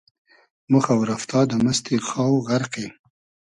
مۉ خۆ رئفتا دۂ مئستی خاو غئرقی